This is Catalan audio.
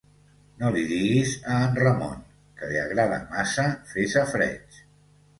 No li diguis a en Ramon, que li agrada massa fer safareig.